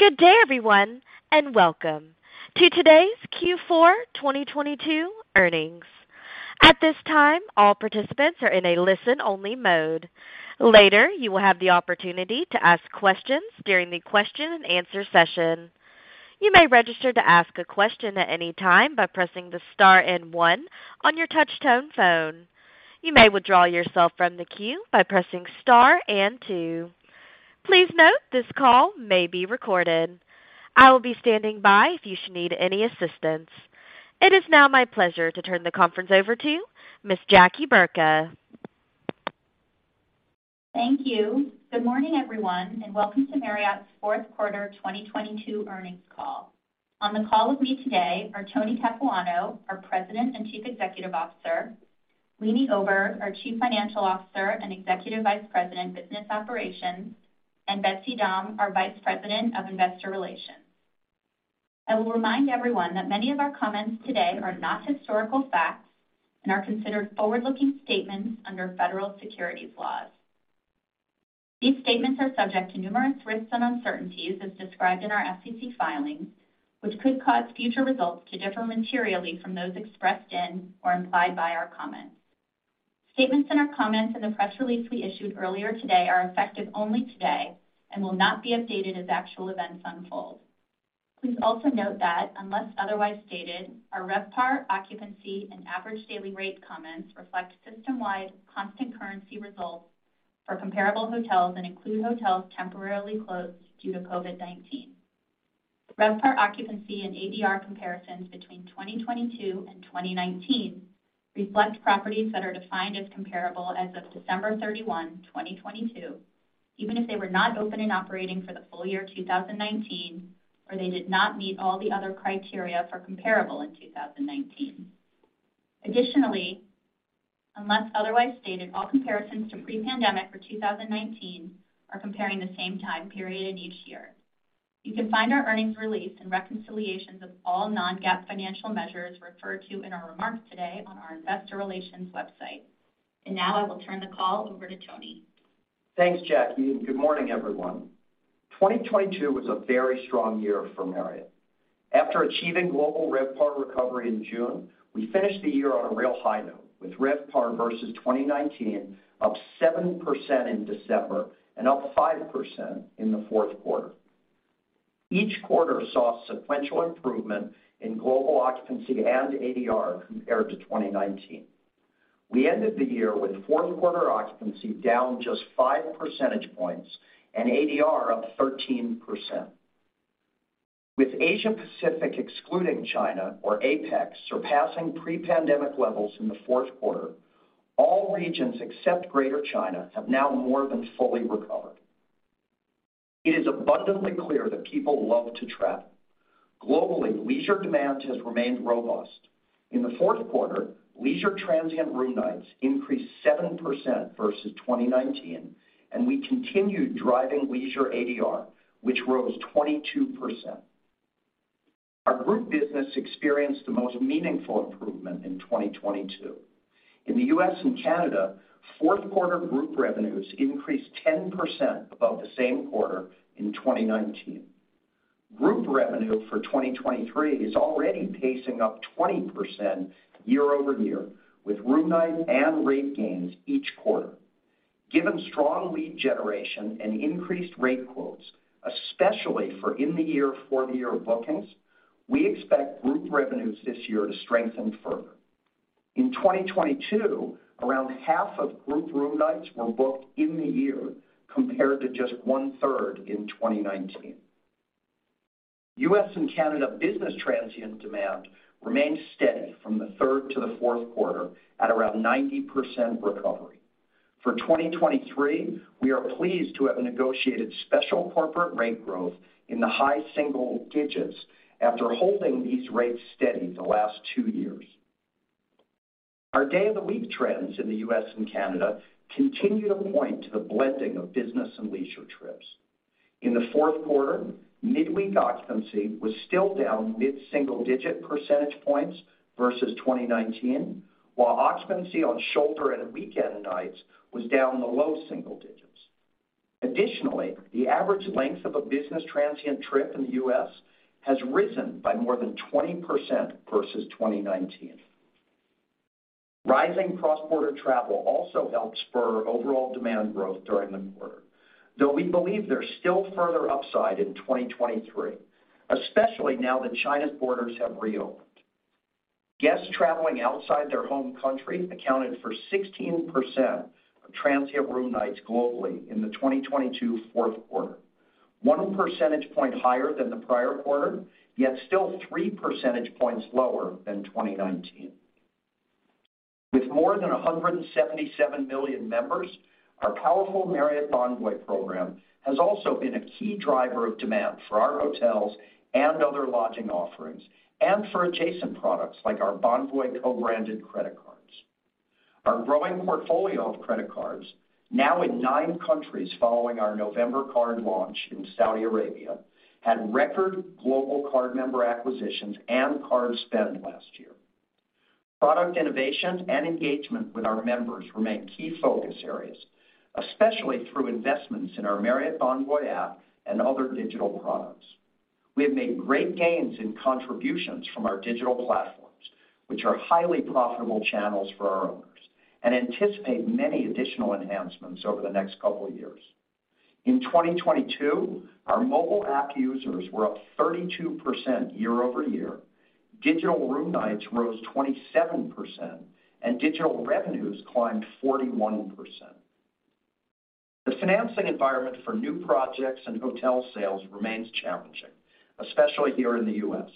Good day, everyone. Welcome to today's Q4 2022 earnings. At this time, all participants are in a listen-only mode. Later, you will have the opportunity to ask questions during the question and answer session. You may register to ask a question at any time by pressing the star and 1 on your touch tone phone. You may withdraw yourself from the queue by pressing star and 2. Please note, this call may be recorded. I will be standing by if you should need any assistance. It is now my pleasure to turn the conference over to Ms. Jackie Burka. Thank you. Good morning, everyone, and welcome to Marriott's fourth quarter 2022 earnings call. On the call with me today are Tony Capuano, our President and Chief Executive Officer, Leeny Oberg, our Chief Financial Officer and Executive Vice President, Business Operations, and Betsy Dahm, our Vice President of Investor Relations. I will remind everyone that many of our comments today are not historical facts and are considered forward-looking statements under Federal Securities laws. These statements are subject to numerous risks and uncertainties, as described in our SEC filings, which could cause future results to differ materially from those expressed in or implied by our comments. Statements in our comments in the press release we issued earlier today are effective only today and will not be updated as actual events unfold. Please also note that unless otherwise stated, our RevPAR, occupancy, and average daily rate comments reflect system-wide constant currency results for comparable hotels and include hotels temporarily closed due to COVID-19. RevPAR occupancy and ADR comparisons between 2022 and 2019 reflect properties that are defined as comparable as of December 31, 2022, even if they were not open and operating for the full year 2019 or they did not meet all the other criteria for comparable in 2019. Additionally, unless otherwise stated, all comparisons to pre-pandemic for 2019 are comparing the same time period in each year. You can find our earnings release and reconciliations of all non-GAAP financial measures referred to in our remarks today on our investor relations website. Now I will turn the call over to Tony. Thanks, Jackie, good morning, everyone. 2022 was a very strong year for Marriott. After achieving global RevPAR recovery in June, we finished the year on a real high note, with RevPAR versus 2019 up 7% in December and up 5% in the 4th quarter. Each quarter saw sequential improvement in global occupancy and ADR compared to 2019. We ended the year with 4th quarter occupancy down just 5 percentage points and ADR up 13%. With Asia Pacific excluding China, or APEC, surpassing pre-pandemic levels in the 4th quarter, all regions except Greater China have now more than fully recovered. It is abundantly clear that people love to travel. Globally, leisure demand has remained robust. In the 4th quarter, leisure transient room nights increased 7% versus 2019, and we continued driving leisure ADR, which rose 22%. Our group business experienced the most meaningful improvement in 2022. In the U.S. and Canada, fourth quarter group revenues increased 10% above the same quarter in 2019. Group revenue for 2023 is already pacing up 20% year-over-year, with room night and rate gains each quarter. Given strong lead generation and increased rate quotes, especially for in the year, fourth year bookings, we expect group revenues this year to strengthen further. In 2022, around half of group room nights were booked in the year, compared to just one-third in 2019. U.S. and Canada business transient demand remained steady from the third to the fourth quarter at around 90% recovery. For 2023, we are pleased to have negotiated special corporate rate growth in the high single digits after holding these rates steady the last two years. Our day of the week trends in the U.S. and Canada continue to point to the blending of business and leisure trips. In the fourth quarter, midweek occupancy was still down mid-single digit percentage points versus 2019, while occupancy on shoulder and weekend nights was down in the low single digits. Additionally, the average length of a business transient trip in the U.S. has risen by more than 20% versus 2019. Rising cross-border travel also helped spur overall demand growth during the quarter, though we believe there's still further upside in 2023, especially now that China's borders have reopened. Guests traveling outside their home country accounted for 16% of transient room nights globally in the 2022 fourth quarter. 1 percentage point higher than the prior quarter, yet still 3 percentage points lower than 2019. With more than 177 million members, our powerful Marriott Bonvoy program has also been a key driver of demand for our hotels and other lodging offerings, and for adjacent products like our Bonvoy co-branded credit cards. Our growing portfolio of credit cards, now in 9 countries following our November card launch in Saudi Arabia, had record global card member acquisitions and card spend last year. Product innovation and engagement with our members remain key focus areas, especially through investments in our Marriott Bonvoy app and other digital products. We have made great gains in contributions from our digital platforms, which are highly profitable channels for our owners, and anticipate many additional enhancements over the next couple of years. In 2022, our mobile app users were up 32% year-over-year, digital room nights rose 27%, and digital revenues climbed 41%. The financing environment for new projects and hotel sales remains challenging, especially here in the U.S.,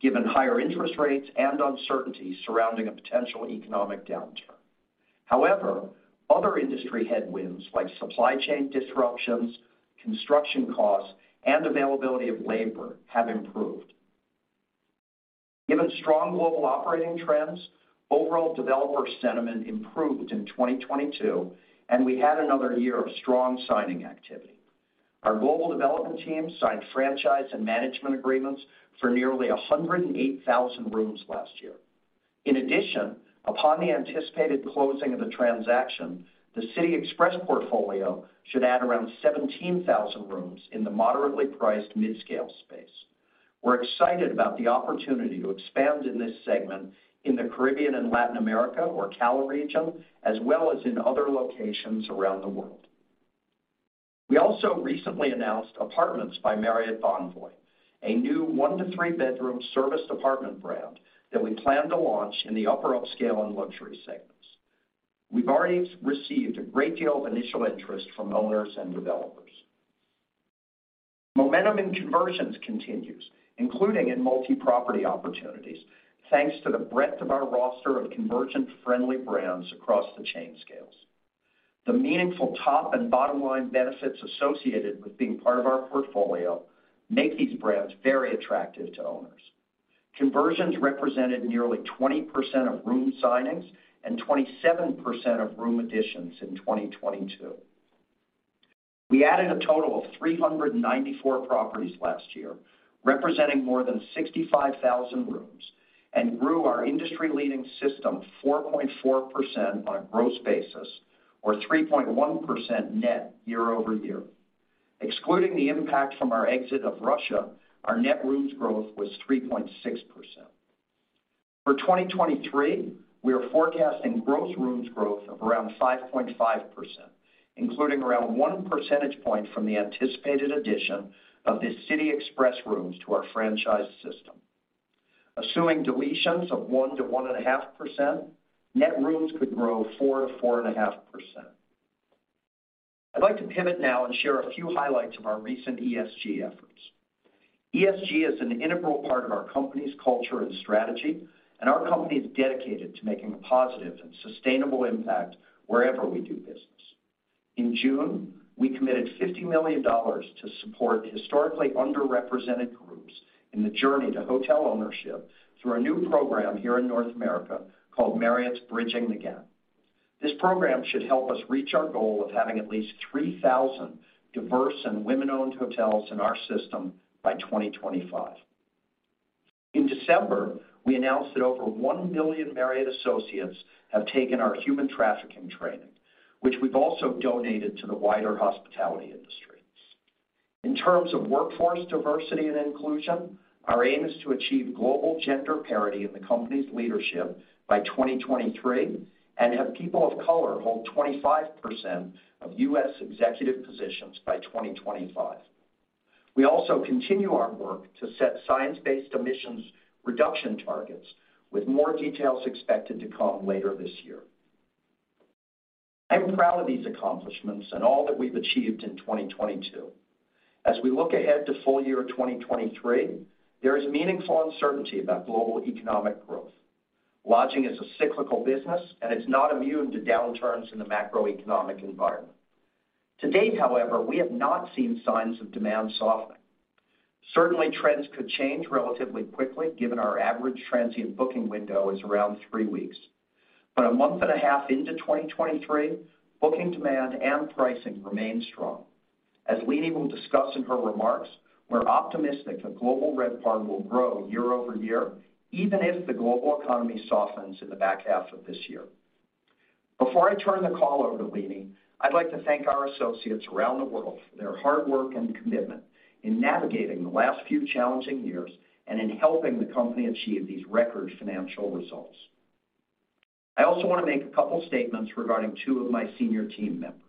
given higher interest rates and uncertainty surrounding a potential economic downturn. However, other industry headwinds, like supply chain disruptions, construction costs, and availability of labor, have improved. Given strong global operating trends, overall developer sentiment improved in 2022, and we had another year of strong signing activity. Our global development team signed franchise and management agreements for nearly 108,000 rooms last year. In addition, upon the anticipated closing of the transaction, the City Express portfolio should add around 17,000 rooms in the moderately priced mid-scale space. We're excited about the opportunity to expand in this segment in the Caribbean and Latin America, or CALA region, as well as in other locations around the world. We also recently announced Apartments by Marriott Bonvoy, a new 1-to-3-bedroom serviced apartment brand that we plan to launch in the upper upscale and luxury segments. We've already received a great deal of initial interest from owners and developers. Momentum in conversions continues, including in multi-property opportunities, thanks to the breadth of our roster of conversion-friendly brands across the chain scales. The meaningful top and bottom-line benefits associated with being part of our portfolio make these brands very attractive to owners. Conversions represented nearly 20% of room signings and 27% of room additions in 2022. We added a total of 394 properties last year, representing more than 65,000 rooms, and grew our industry-leading system 4.4% on a gross basis, or 3.1% net year over year. Excluding the impact from our exit of Russia, our net rooms growth was 3.6%. For 2023, we are forecasting gross rooms growth of around 5.5%, including around 1 percentage point from the anticipated addition of the City Express rooms to our franchise system. Assuming deletions of 1%-1.5%, net rooms could grow 4%-4.5%. I'd like to pivot now and share a few highlights of our recent ESG efforts. ESG is an integral part of our company's culture and strategy, and our company is dedicated to making a positive and sustainable impact wherever we do business. In June, we committed $50 million to support historically underrepresented groups in the journey to hotel ownership through a new program here in North America called Marriott's Bridging The Gap. This program should help us reach our goal of having at least 3,000 diverse and women-owned hotels in our system by 2025. In December, we announced that over 1 million Marriott associates have taken our human trafficking training, which we've also donated to the wider hospitality industry. In terms of workforce diversity and inclusion, our aim is to achieve global gender parity in the company's leadership by 2023 and have people of color hold 25% of US executive positions by 2025. We also continue our work to set science-based emissions reduction targets, with more details expected to come later this year. I am proud of these accomplishments and all that we've achieved in 2022. As we look ahead to full year 2023, there is meaningful uncertainty about global economic growth. Lodging is a cyclical business, and it's not immune to downturns in the macroeconomic environment. To date, however, we have not seen signs of demand softening. Certainly, trends could change relatively quickly given our average transient booking window is around three weeks. A month and a half into 2023, booking demand and pricing remain strong. As Leeny will discuss in her remarks, we're optimistic that global RevPAR will grow year-over-year, even if the global economy softens in the back half of this year. Before I turn the call over to Leeny, I'd like to thank our associates around the world for their hard work and commitment in navigating the last few challenging years and in helping the company achieve these record financial results. I also want to make a couple statements regarding two of my senior team members.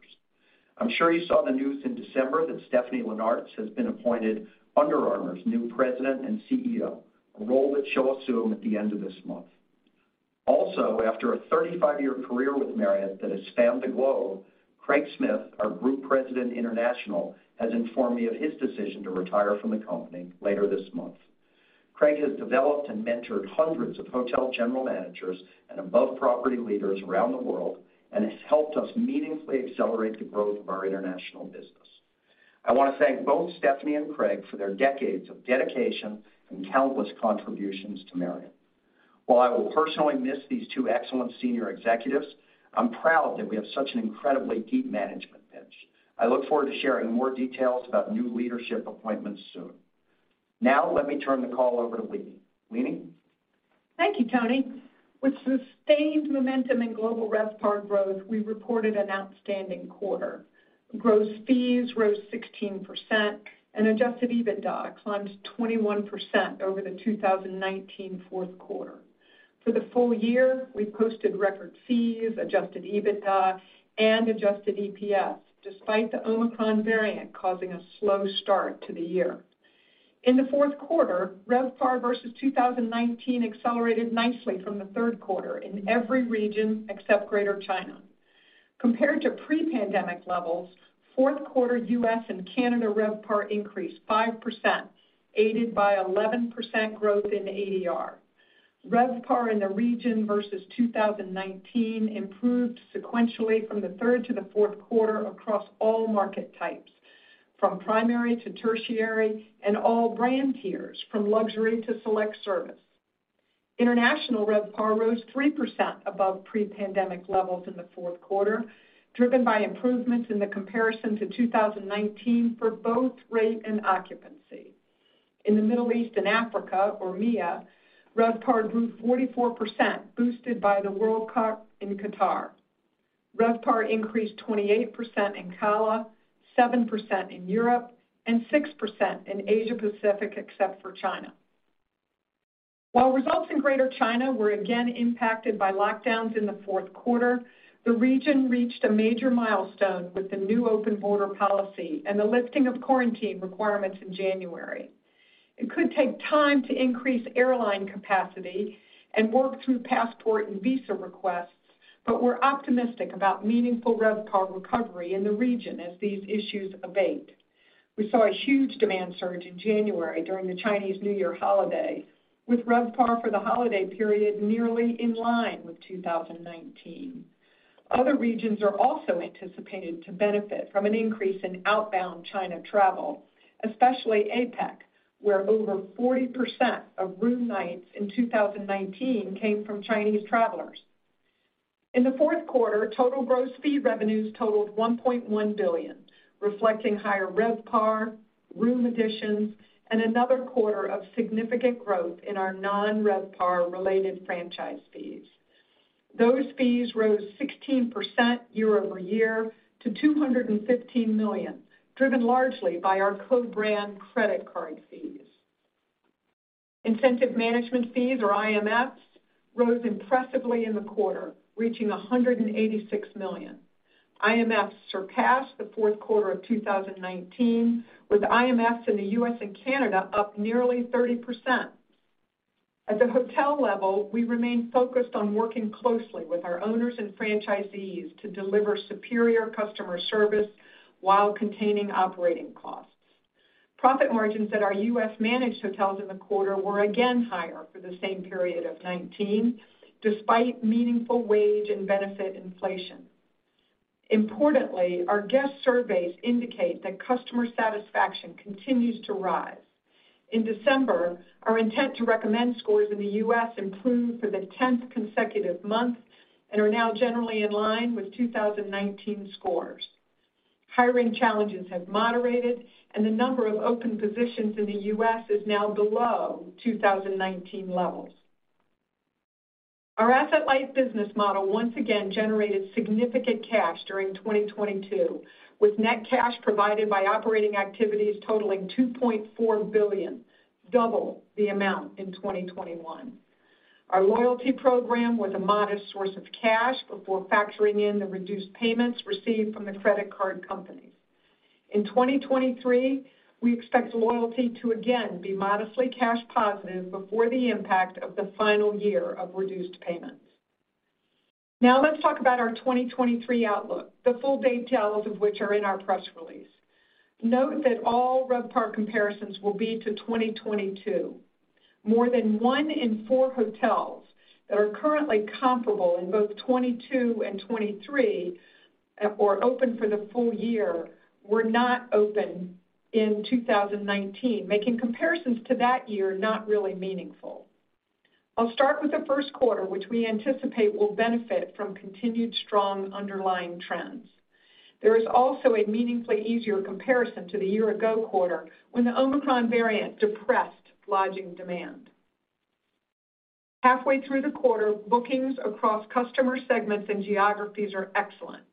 I'm sure you saw the news in December that Stephanie Linnartz has been appointed Under Armour's new President and CEO, a role that she'll assume at the end of this month. After a 35-year career with Marriott that has spanned the globe, Craig Smith, our Group President, International, has informed me of his decision to retire from the company later this month. Craig has developed and mentored hundreds of hotel general managers and above property leaders around the world and has helped us meaningfully accelerate the growth of our international business. I want to thank both Stephanie and Craig for their decades of dedication and countless contributions to Marriott. While I will personally miss these two excellent senior executives, I'm proud that we have such an incredibly deep management bench. I look forward to sharing more details about new leadership appointments soon. Let me turn the call over to Leenie. Leenie? Thank you, Tony. With sustained momentum in global RevPAR growth, we reported an outstanding quarter. Gross fees rose 16% and adjusted EBITDA climbed 21% over the 2019 fourth quarter. For the full year, we posted record fees, adjusted EBITDA and adjusted EPS, despite the Omicron variant causing a slow start to the year. In the fourth quarter, RevPAR versus 2019 accelerated nicely from the third quarter in every region except Greater China. Compared to pre-pandemic levels, fourth quarter U.S. and Canada RevPAR increased 5%, aided by 11% growth in ADR. RevPAR in the region versus 2019 improved sequentially from the third to the fourth quarter across all market types, from primary to tertiary and all brand tiers, from luxury to select service. International RevPAR rose 3% above pre-pandemic levels in the fourth quarter, driven by improvements in the comparison to 2019 for both rate and occupancy. In the Middle East and Africa or MEA, RevPAR grew 44%, boosted by the World Cup in Qatar. RevPAR increased 28% in CALA, 7% in Europe and 6% in Asia Pacific except for China. While results in Greater China were again impacted by lockdowns in the fourth quarter, the region reached a major milestone with the new open border policy and the lifting of quarantine requirements in January. It could take time to increase airline capacity and work through passport and visa requests, but we're optimistic about meaningful RevPAR recovery in the region as these issues abate. We saw a huge demand surge in January during the Chinese New Year holiday, with RevPAR for the holiday period nearly in line with 2019. Other regions are also anticipated to benefit from an increase in outbound China travel, especially APEC, where over 40% of room nights in 2019 came from Chinese travelers. In the fourth quarter, total gross fee revenues totaled $1.1 billion, reflecting higher RevPAR, room additions and another quarter of significant growth in our non-RevPAR related franchise fees. Those fees rose 16% year-over-year to $215 million, driven largely by our co-brand credit card fees. Incentive management fees, or IMFs, rose impressively in the quarter, reaching $186 million. IMFs surpassed the fourth quarter of 2019, with IMFs in the U.S. and Canada up nearly 30%. At the hotel level, we remain focused on working closely with our owners and franchisees to deliver superior customer service while containing operating costs. Profit margins at our U.S. managed hotels in the quarter were again higher for the same period of 2019, despite meaningful wage and benefit inflation. Importantly, our guest surveys indicate that customer satisfaction continues to rise. In December, our intent to recommend scores in the U.S. improved for the 10th consecutive month and are now generally in line with 2019 scores. Hiring challenges have moderated and the number of open positions in the U.S. is now below 2019 levels. Our asset-light business model once again generated significant cash during 2022, with net cash provided by operating activities totaling $2.4 billion, double the amount in 2021. Our loyalty program was a modest source of cash before factoring in the reduced payments received from the credit card companies. In 2023, we expect loyalty to again be modestly cash positive before the impact of the final year of reduced payments. Let's talk about our 2023 outlook, the full details of which are in our press release. Note that all RevPAR comparisons will be to 2022. More than one in four hotels that are currently comparable in both 22 and 23 or open for the full year were not open in 2019, making comparisons to that year not really meaningful. I'll start with the first quarter, which we anticipate will benefit from continued strong underlying trends. There is also a meaningfully easier comparison to the year ago quarter when the Omicron variant depressed lodging demand. Halfway through the quarter, bookings across customer segments and geographies are excellent.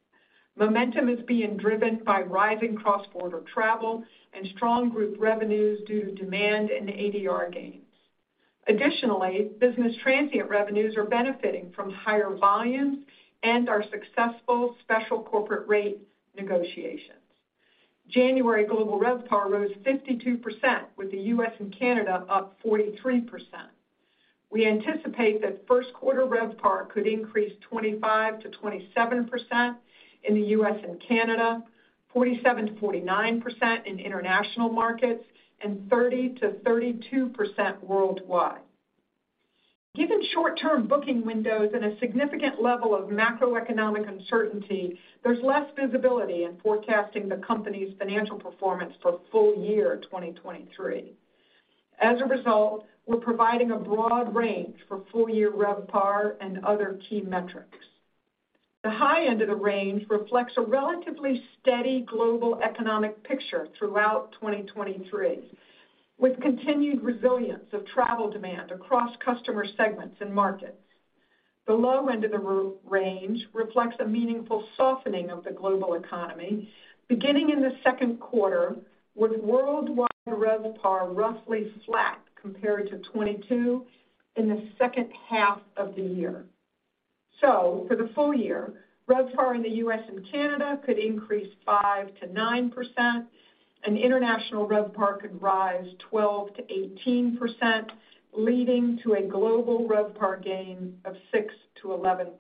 Momentum is being driven by rising cross-border travel and strong group revenues due to demand and ADR gains. Additionally, business transient revenues are benefiting from higher volumes and our successful special corporate rate negotiations. January global RevPAR rose 52%, with the US and Canada up 43%. We anticipate that first quarter RevPAR could increase 25%-27% in the US and Canada, 47%-49% in international markets, and 30%-32% worldwide. Given short-term booking windows and a significant level of macroeconomic uncertainty, there's less visibility in forecasting the company's financial performance for full year 2023. As a result, we're providing a broad range for full year RevPAR and other key metrics. The high end of the range reflects a relatively steady global economic picture throughout 2023, with continued resilience of travel demand across customer segments and markets. The low end of the range reflects a meaningful softening of the global economy beginning in the second quarter, with worldwide RevPAR roughly flat compared to 2022 in the second half of the year. For the full year, RevPAR in the U.S. and Canada could increase 5%-9%, and international RevPAR could rise 12%-18%, leading to a global RevPAR gain of 6%-11%.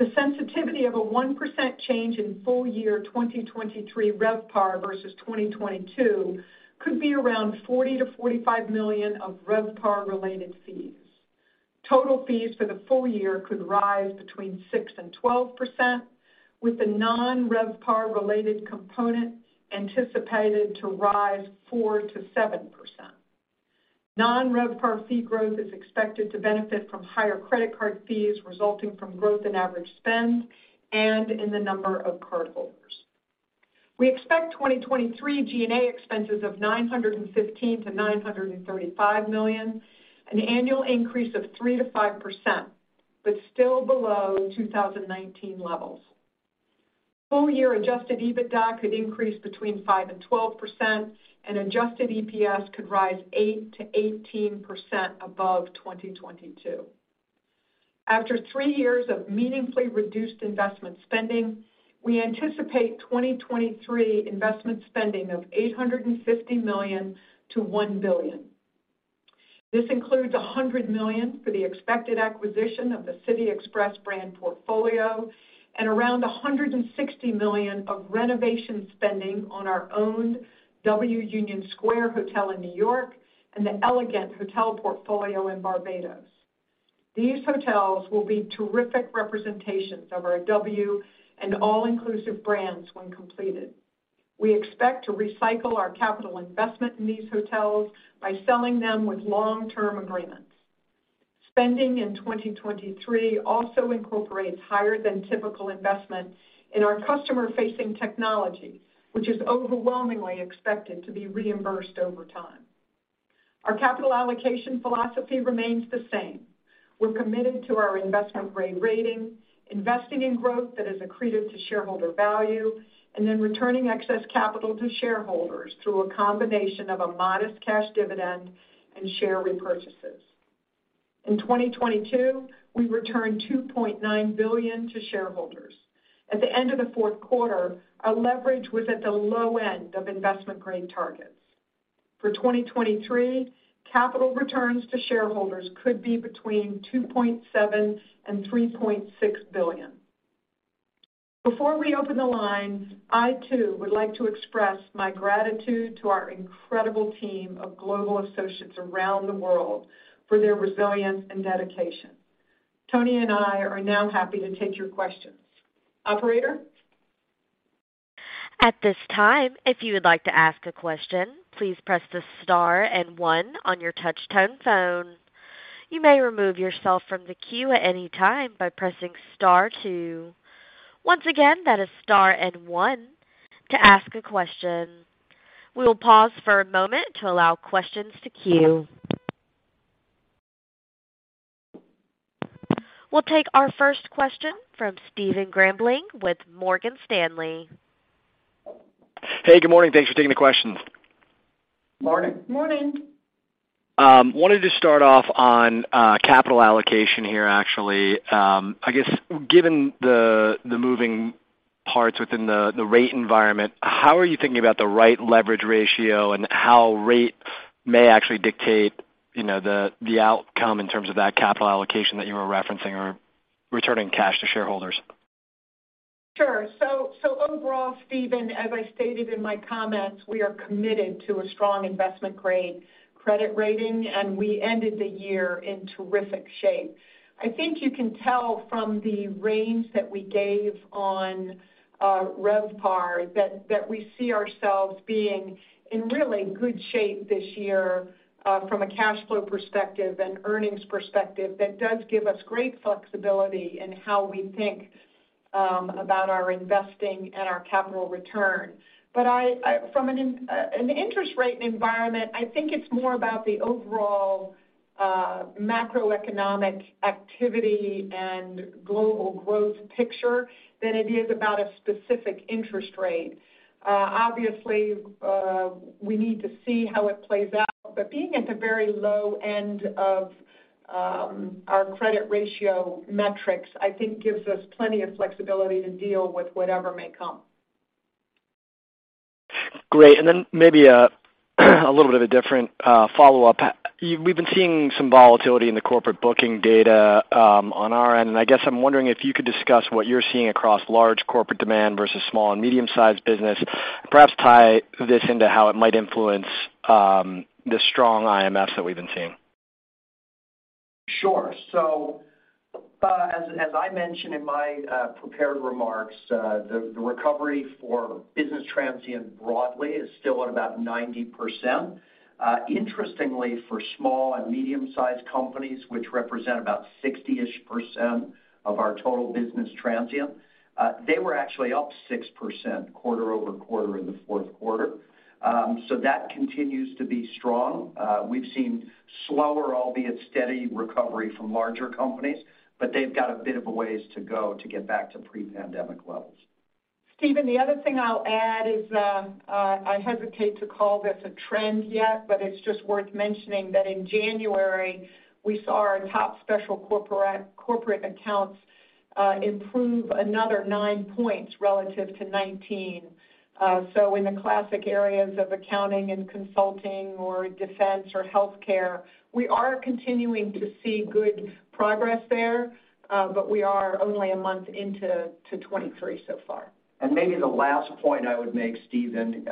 The sensitivity of a 1% change in full year 2023 RevPAR versus 2022 could be around $40 million-$45 million of RevPAR-related fees. Total fees for the full year could rise between 6% and 12%, with the non-RevPAR-related component anticipated to rise 4%-7%. Non-RevPAR fee growth is expected to benefit from higher credit card fees resulting from growth in average spend and in the number of cardholders. We expect 2023 G&A expenses of $915 million-$935 million, an annual increase of 3%-5%, but still below 2019 levels. Full year adjusted EBITDA could increase between 5% and 12%, and adjusted EPS could rise 8%-18% above 2022. After three years of meaningfully reduced investment spending, we anticipate 2023 investment spending of $850 million-$1 billion. This includes $100 million for the expected acquisition of the City Express brand portfolio and around $160 million of renovation spending on our own W Union Square Hotel in New York and the Elegant Hotels portfolio in Barbados. These hotels will be terrific representations of our W and all-inclusive brands when completed. We expect to recycle our capital investment in these hotels by selling them with long-term agreements. Spending in 2023 also incorporates higher than typical investment in our customer-facing technology, which is overwhelmingly expected to be reimbursed over time. Our capital allocation philosophy remains the same. We're committed to our investment-grade rating, investing in growth that is accretive to shareholder value, and then returning excess capital to shareholders through a combination of a modest cash dividend and share repurchases. In 2022, we returned $2.9 billion to shareholders. At the end of the fourth quarter, our leverage was at the low end of investment grade targets. For 2023, capital returns to shareholders could be between $2.7 billion and $3.6 billion. Before we open the lines, I too would like to express my gratitude to our incredible team of global associates around the world for their resilience and dedication. Tony and I are now happy to take your questions. Operator? At this time, if you would like to ask a question, please press the star and 1 on your touch tone phone. You may remove yourself from the queue at any time by pressing star 2. Once again, that is star and 1 to ask a question. We will pause for a moment to allow questions to queue. We'll take our first question from Stephen Grambling with Morgan Stanley. Hey, good morning. Thanks for taking the questions. Morning. Morning. Wanted to start off on capital allocation here actually. I guess given the moving parts within the rate environment, how are you thinking about the right leverage ratio and how rate may actually dictate, you know, the outcome in terms of that capital allocation that you were referencing or returning cash to shareholders? Sure. Overall, Steven, as I stated in my comments, we are committed to a strong investment-grade credit rating, and we ended the year in terrific shape. I think you can tell from the range that we gave on RevPAR that we see ourselves being in really good shape this year from a cash flow perspective and earnings perspective that does give us great flexibility in how we think about our investing and our capital return. From an interest rate environment, I think it's more about the overall macroeconomic activity and global growth picture than it is about a specific interest rate. We need to see how it plays out. Being at the very low end of our credit ratio metrics, I think gives us plenty of flexibility to deal with whatever may come. Great. Maybe a little bit of a different follow-up. We've been seeing some volatility in the corporate booking data, on our end, and I guess I'm wondering if you could discuss what you're seeing across large corporate demand versus small and medium-sized business. Perhaps tie this into how it might influence, the strong IMFs that we've been seeing. Sure. As I mentioned in my prepared remarks, the recovery for business transient broadly is still at about 90%. Interestingly, for small-medium-sized companies, which represent about 60%-ish of our total business transient, they were actually up 6% quarter-over-quarter in the fourth quarter. That continues to be strong. We've seen slower, albeit steady recovery from larger companies, but they've got a bit of a ways to go to get back to pre-pandemic levels. Stephen, the other thing I'll add is, I hesitate to call this a trend yet, but it's just worth mentioning that in January, we saw our top special corporate accounts, improve another nine points relative to 19. In the classic areas of accounting and consulting or defense or healthcare, we are continuing to see good progress there, but we are only a month into 23 so far. The last point I would make, Stephen,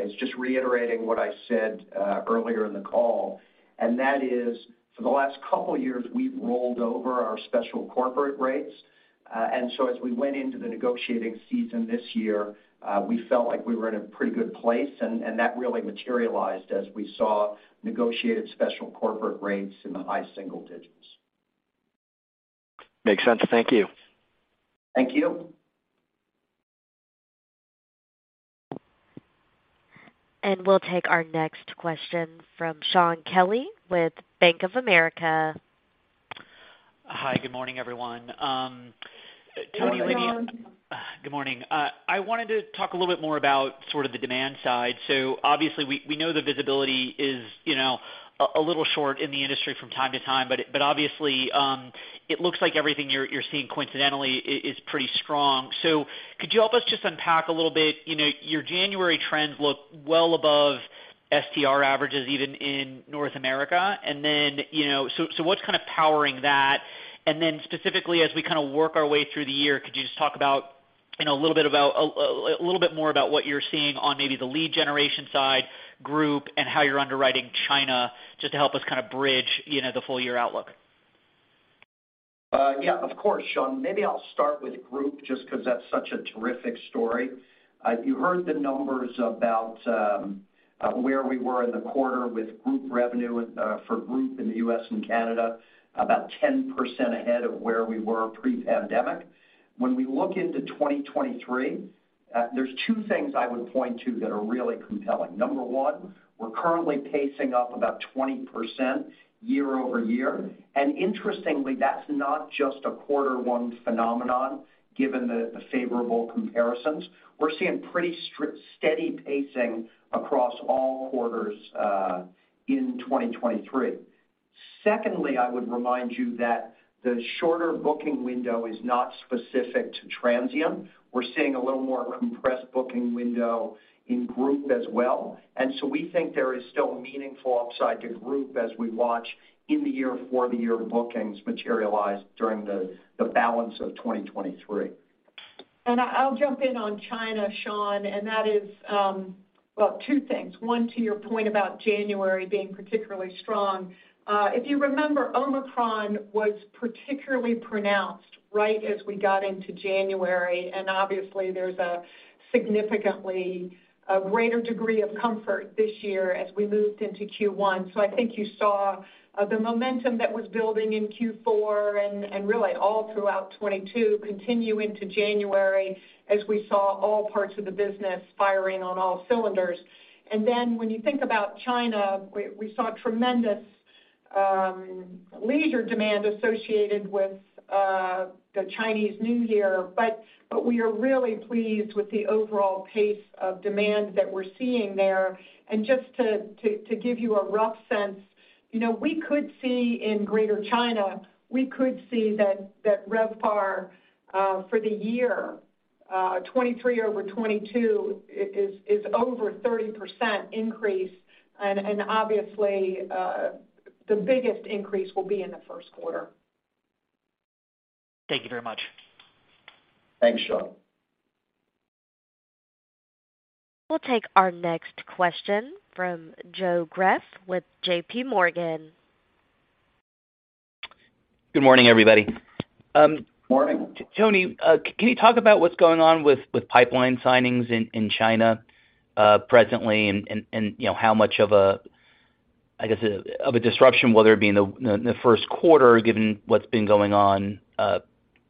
is just reiterating what I said earlier in the call, and that is, for the last couple years, we've rolled over our special corporate rates. As we went into the negotiating season this year, we felt like we were in a pretty good place, and that really materialized as we saw negotiated special corporate rates in the high single digits. Makes sense. Thank you. Thank you. We'll take our next question from Shaun Kelley with Bank of America. Hi, good morning, everyone. Good morning. Good morning. I wanted to talk a little bit more about sort of the demand side. Obviously we know the visibility is, you know, a little short in the industry from time to time, but obviously, it looks like everything you're seeing coincidentally is pretty strong. Could you help us just unpack a little bit, you know, your January trends look well above STR averages even in North America? Then, you know, so what's kind of powering that? Specifically as we kind of work our way through the year, could you just talk about, you know, a little bit more about what you're seeing on maybe the lead generation side group and how you're underwriting China just to help us kind of bridge, you know, the full year outlook? Yeah, of course, Shaun. Maybe I'll start with group just 'cause that's such a terrific story. You heard the numbers about where we were in the quarter with group revenue, for group in the U.S. and Canada, about 10% ahead of where we were pre-pandemic. When we look into 2023, there's two things I would point to that are really compelling. Number one, we're currently pacing up about 20% year-over-year. Interestingly, that's not just a Q1 phenomenon given the favorable comparisons. We're seeing pretty steady pacing across all quarters in 2023. Secondly, I would remind you that the shorter booking window is not specific to Marriott. We're seeing a little more compressed booking window in group as well. We think there is still meaningful upside to group as we watch in the year for the year bookings materialize during the balance of 2023. I'll jump in on China, Shaun, and that is, well, two things. One, to your point about January being particularly strong. If you remember, Omicron was particularly pronounced right as we got into January, and obviously there's a significantly greater degree of comfort this year as we moved into Q1. I think you saw the momentum that was building in Q4 and really all throughout 2022 continue into January as we saw all parts of the business firing on all cylinders. When you think about China, we saw tremendous leisure demand associated with the Chinese New Year. We are really pleased with the overall pace of demand that we're seeing there. Just to give you a rough sense, you know, we could see in Greater China, we could see that RevPAR for the year, 23 over 22 is over 30% increase. Obviously, the biggest increase will be in the first quarter. Thank you very much. Thanks, Shaun. We'll take our next question from Joe Greff with J.P. Morgan. Good morning, everybody. Morning. Tony, can you talk about what's going on with pipeline signings in China presently and, you know, how much of a, I guess a, of a disruption, whether it be in the first quarter given what's been going on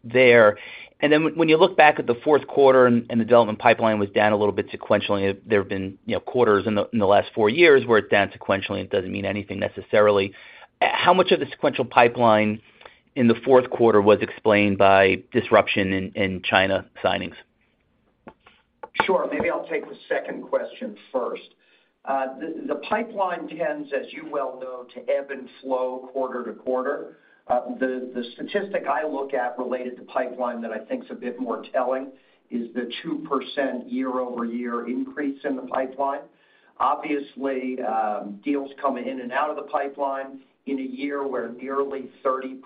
there. When you look back at the fourth quarter and the development pipeline was down a little bit sequentially, there have been, you know, quarters in the last 4 years where it's down sequentially, it doesn't mean anything necessarily. How much of the sequential pipeline in the fourth quarter was explained by disruption in China signings? Sure. Maybe I'll take the second question first. The pipeline tends, as you well know, to ebb and flow quarter to quarter. The statistic I look at related to pipeline that I think is a bit more telling is the 2% year-over-year increase in the pipeline. Obviously, deals come in and out of the pipeline in a year where nearly 30%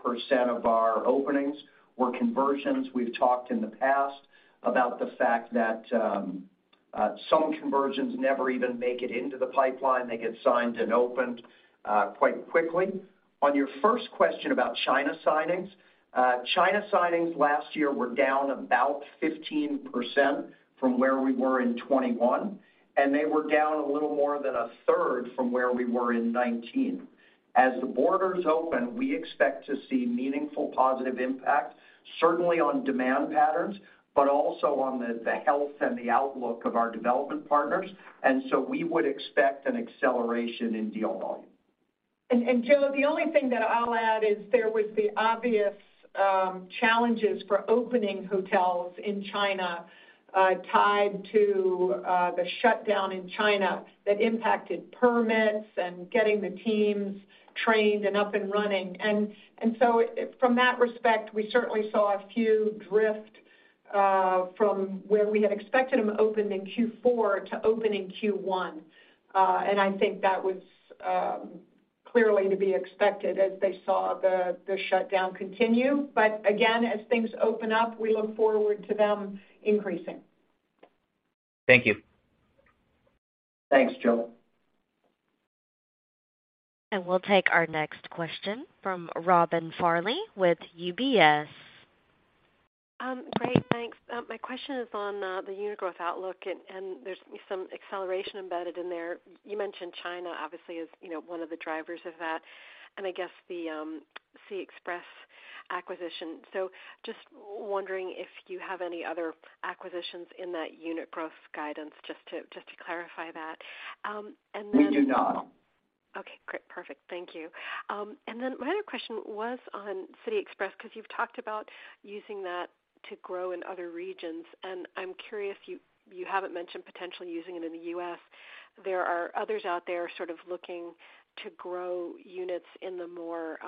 of our openings were conversions. We've talked in the past about the fact that some conversions never even make it into the pipeline. They get signed and opened, quite quickly. On your first question about China signings, China signings last year were down about 15% from where we were in 2021, and they were down a little more than a third from where we were in 2019. As the borders open, we expect to see meaningful positive impact, certainly on demand patterns, but also on the health and the outlook of our development partners. We would expect an acceleration in deal volume. Joe, the only thing that I'll add is there was the obvious challenges for opening hotels in China, tied to the shutdown in China that impacted permits and getting the teams trained and up and running. From that respect, we certainly saw a few drift from where we had expected them to open in Q4 to open in Q1. I think that was clearly to be expected as they saw the shutdown continue. Again, as things open up, we look forward to them increasing. Thank you. Thanks, Joe. We'll take our next question from Robin Farley with UBS. Great, thanks. My question is on the unit growth outlook, and there's some acceleration embedded in there. You mentioned China obviously is, you know, one of the drivers of that, and I guess the City Express acquisition. Just wondering if you have any other acquisitions in that unit growth guidance, just to clarify that. We do not. Okay, great. Perfect. Thank you. My other question was on City Express, because you've talked about using that to grow in other regions, and I'm curious, you haven't mentioned potentially using it in the U.S. There are others out there sort of looking to grow units in the more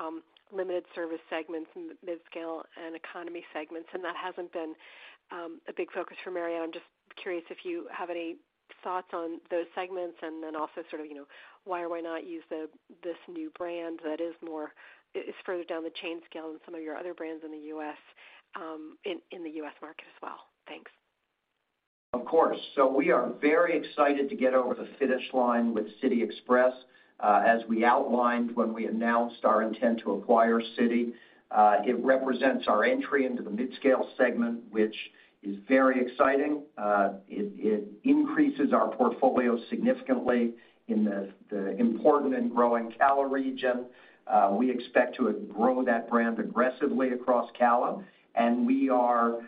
limited service segments in the midscale and economy segments, and that hasn't been a big focus for Marriott. I'm just curious if you have any thoughts on those segments and then also sort of, you know, why or why not use the, this new brand that is further down the chain scale than some of your other brands in the U.S., in the U.S. market as well. Thanks. Of course. We are very excited to get over the finish line with City Express. As we outlined when we announced our intent to acquire City, it represents our entry into the midscale segment, which is very exciting. It increases our portfolio significantly in the important and growing CALA region. We expect to grow that brand aggressively across CALA, and we are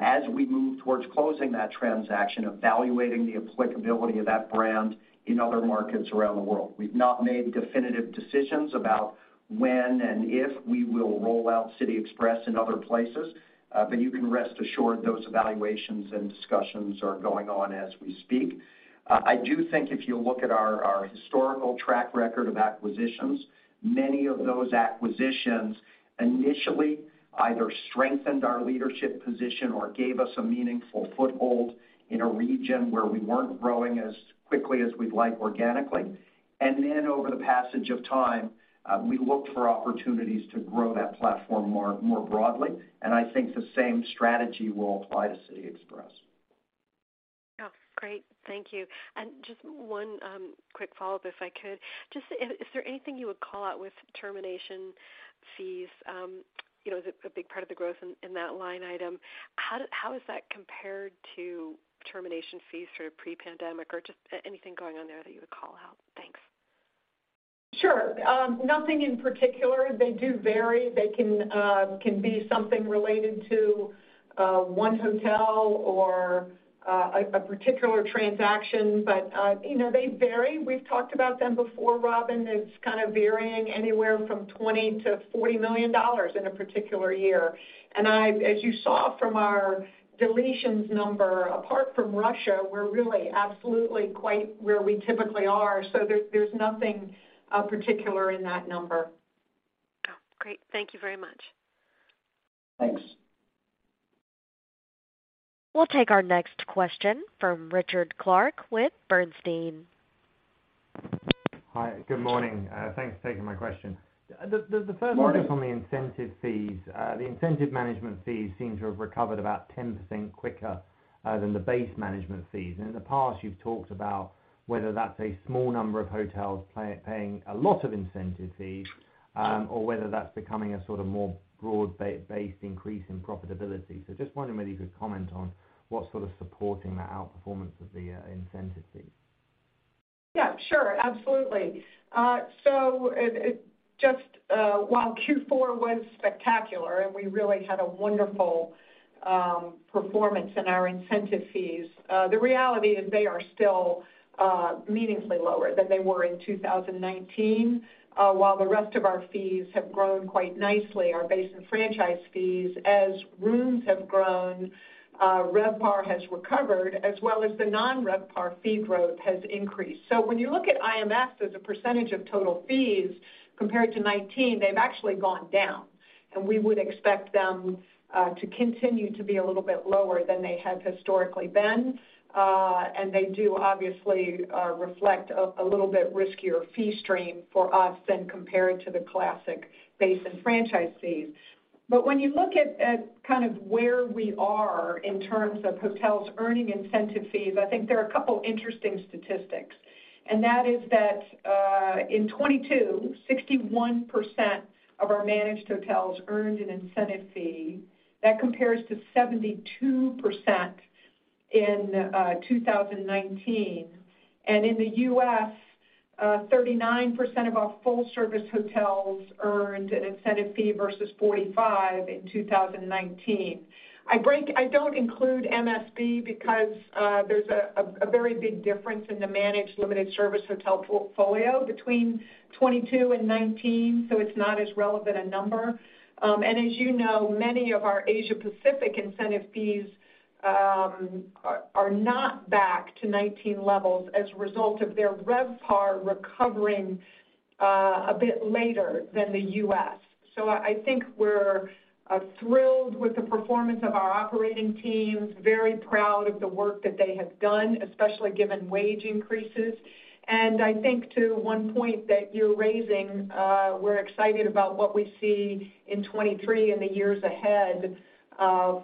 as we move towards closing that transaction, evaluating the applicability of that brand in other markets around the world. We've not made definitive decisions about when and if we will roll out City Express in other places, but you can rest assured those evaluations and discussions are going on as we speak. I do think if you look at our historical track record of acquisitions, many of those acquisitions initially either strengthened our leadership position or gave us a meaningful foothold in a region where we weren't growing as quickly as we'd like organically. Then over the passage of time, we looked for opportunities to grow that platform more broadly. I think the same strategy will apply to City Express. Oh, great. Thank you. Just one quick follow-up, if I could. Is there anything you would call out with termination fees? You know, is it a big part of the growth in that line item? How does that compare to termination fees sort of pre-pandemic or just anything going on there that you would call out? Thanks. Sure. nothing in particular. They do vary. They can be something related to one hotel or a particular transaction. You know, they vary. We've talked about them before, Robyn. It's kind of varying anywhere from $20 million-$40 million in a particular year. As you saw from our deletions number, apart from Russia, we're really absolutely quite where we typically are. There's nothing particular in that number. Oh, great. Thank you very much. Thanks. We'll take our next question from Richard Clarke with Bernstein. Hi. Good morning. Thanks for taking my question. The first one is on the incentive fees. The incentive management fees seem to have recovered about 10% quicker than the base management fees. In the past you've talked about whether that's a small number of hotels paying a lot of incentive fees, or whether that's becoming a sort of more broad based increase in profitability. Just wondering whether you could comment on what's sort of supporting that outperformance of the incentive fees. Yeah, sure. Absolutely. It just while Q4 was spectacular and we really had a wonderful performance in our incentive fees, the reality is they are still meaningfully lower than they were in 2019. While the rest of our fees have grown quite nicely, our base and franchise fees, as rooms have grown, RevPAR has recovered as well as the non-RevPAR fee growth has increased. When you look at IMFs as a % of total fees compared to 2019, they've actually gone down, and we would expect them to continue to be a little bit lower than they have historically been. They do obviously reflect a little bit riskier fee stream for us than compared to the classic base and franchise fees. When you look at kind of where we are in terms of hotels earning incentive fees, I think there are a couple interesting statistics. That is that in 2022, 61% of our managed hotels earned an incentive fee. That compares to 72% in 2019. In the U.S., 39% of our full-service hotels earned an incentive fee versus 45% in 2019. I don't include MSB because there's a very big difference in the managed limited service hotel portfolio between 2022 and 2019, so it's not as relevant a number. As you know, many of our Asia Pacific incentive fees are not back to 19 levels as a result of their RevPAR recovering a bit later than the U.S. I think we're thrilled with the performance of our operating teams, very proud of the work that they have done, especially given wage increases. I think to one point that you're raising, we're excited about what we see in 23 and the years ahead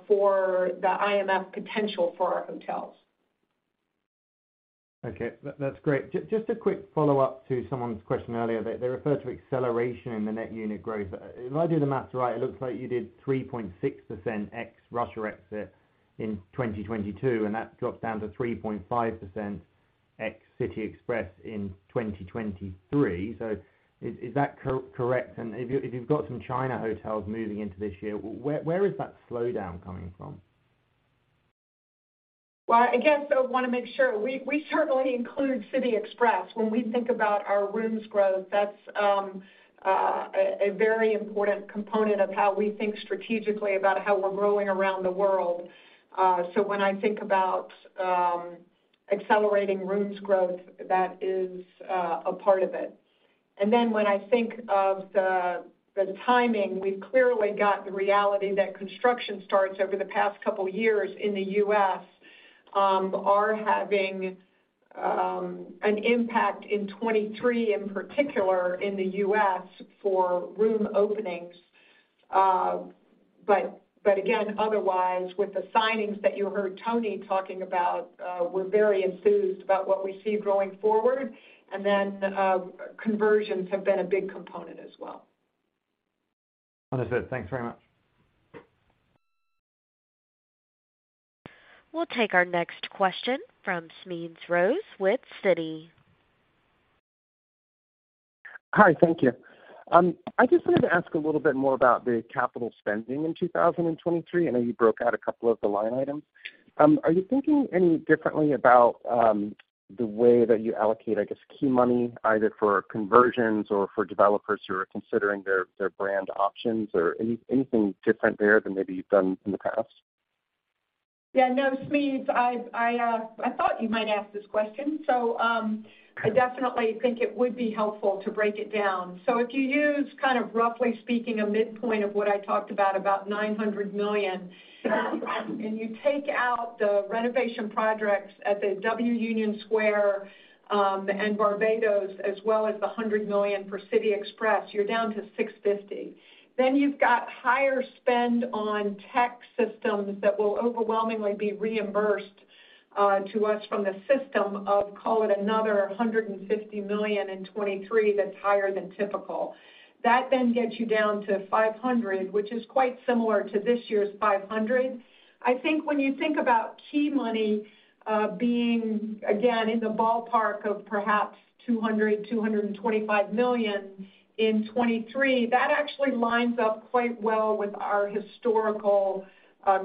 for the IMF potential for our hotels. Okay. That's great. Just a quick follow-up to someone's question earlier. They referred to acceleration in the net unit growth. If I do the math right, it looks like you did 3.6% ex Russia exit in 2022, and that drops down to 3.5% ex City Express in 2023. Is that correct? If you've got some China hotels moving into this year, where is that slowdown coming from? Again, wanna make sure. We certainly include City Express. When we think about our rooms growth, that's a very important component of how we think strategically about how we're growing around the world. When I think about accelerating rooms growth, that is a part of it. When I think of the timing, we've clearly got the reality that construction starts over the past couple years in the U.S. are having an impact in 23, in particular in the U.S. for room openings. Again, otherwise, with the signings that you heard Tony talking about, we're very enthused about what we see going forward. Conversions have been a big component as well. Understood. Thanks very much. We'll take our next question from Smedes Rose with Citi. Hi, thank you. I just wanted to ask a little bit more about the capital spending in 2023. I know you broke out a couple of the line items. Are you thinking any differently about the way that you allocate, I guess, key money, either for conversions or for developers who are considering their brand options, or anything different there than maybe you've done in the past? No, Smedes, I thought you might ask this question. I definitely think it would be helpful to break it down. If you use kind of, roughly speaking, a midpoint of what I talked about $900 million, and you take out the renovation projects at the W Union Square and Barbados, as well as the $100 million for City Express, you're down to $650 million. You've got higher spend on tech systems that will overwhelmingly be reimbursed to us from the system of call it another $150 million in 2023 that's higher than typical. That then gets you down to $500 million, which is quite similar to this year's $500 million. I think when you think about key money, being, again, in the ballpark of perhaps $200 million-$225 million in 2023, that actually lines up quite well with our historical,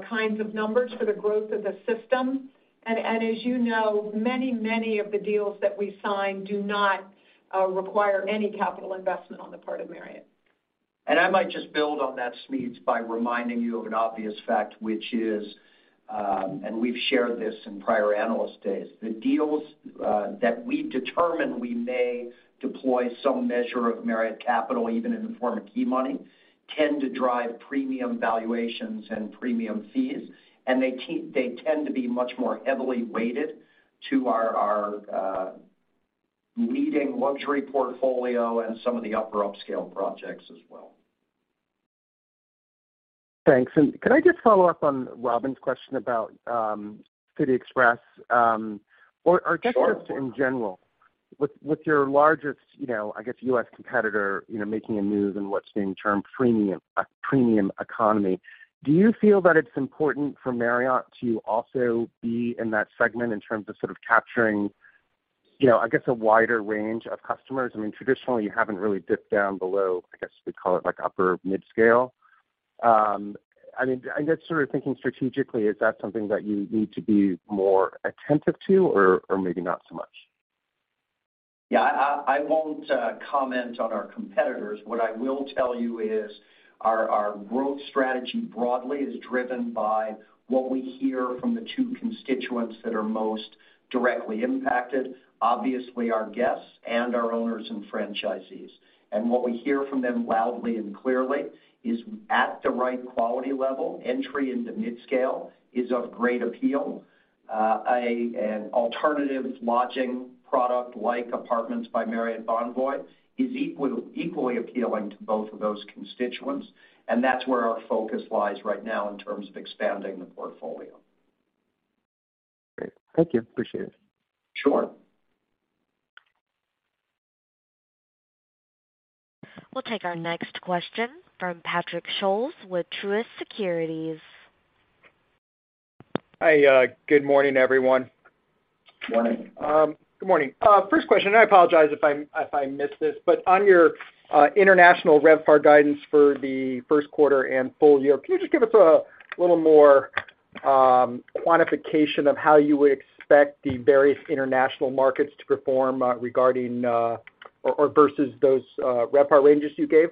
kinds of numbers for the growth of the system. As you know, many, many of the deals that we sign do not, require any capital investment on the part of Marriott. I might just build on that, Smedes, by reminding you of an obvious fact, which is, we've shared this in prior analyst days. The deals that we determine we may deploy some measure of Marriott capital, even in the form of key money, tend to drive premium valuations and premium fees, and they tend to be much more heavily weighted to our leading luxury portfolio and some of the upper upscale projects as well. Thanks. Could I just follow up on Robin's question about City Express? Sure. Or just in general, with your largest, you know, I guess, U.S. competitor, you know, making a move in what's being termed premium economy, do you feel that it's important for Marriott to also be in that segment in terms of sort of capturing, you know, I guess, a wider range of customers? I mean, traditionally, you haven't really dipped down below, I guess, we'd call it like upper mid-scale. I mean, I guess sort of thinking strategically, is that something that you need to be more attentive to or maybe not so much? Yeah. I won't comment on our competitors. What I will tell you is our growth strategy broadly is driven by what we hear from the two constituents that are most directly impacted, obviously our guests and our owners and franchisees. What we hear from them loudly and clearly is at the right quality level, entry into mid-scale is of great appeal. An alternative lodging product like Apartments by Marriott Bonvoy is equally appealing to both of those constituents, and that's where our focus lies right now in terms of expanding the portfolio. Thank you. Appreciate it. Sure. We'll take our next question from Patrick Scholes with Truist Securities. Hi. Good morning, everyone. Morning. Good morning. First question, I apologize if I missed this, on your international RevPAR guidance for the first quarter and full year, can you just give us a little more quantification of how you would expect the various international markets to perform regarding or versus those RevPAR ranges you gave,